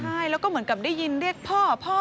ใช่แล้วก็เหมือนกับได้ยินเรียกพ่อพ่อ